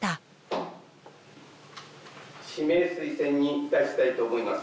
指名推薦にいたしたいと思います。